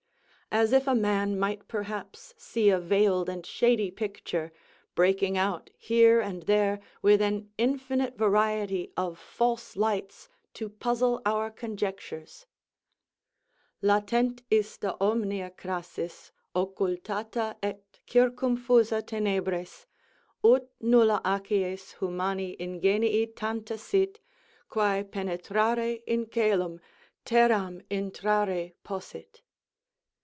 As if a man might perhaps see a veiled and shady picture, breaking out here and there with an infinite variety of false lights to puzzle our conjectures: _Latent ista omnia crassis occullata et circumfusa tenebris; ut nulla acies humani ingenii tanta sit, quæ penetrare in coelum, terram intrare, possit.